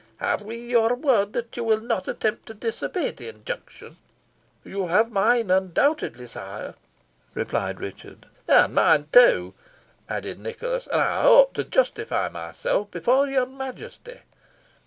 Have we your word that you will not attempt to disobey the injunction?" "You have mine, undoubtedly, sire," replied Richard. "And mine, too," added Nicholas. "And I hope to justify myself before your Majesty."